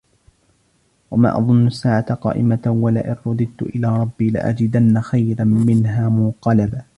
وَمَا أَظُنُّ السَّاعَةَ قَائِمَةً وَلَئِنْ رُدِدْتُ إِلَى رَبِّي لَأَجِدَنَّ خَيْرًا مِنْهَا مُنْقَلَبًا